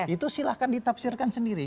itu silahkan ditafsirkan sendiri